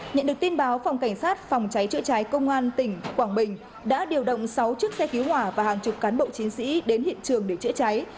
nhận được tin báo phòng cảnh sát phòng cháy chữa cháy công an tỉnh quảng bình đã điều động sáu chiếc xe cứu hỏa và hàng chục cán bộ chiến sĩ đến hiện trường để chữa cháy